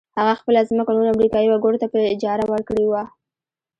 هغه خپله ځمکه نورو امريکايي وګړو ته په اجاره ورکړې وه.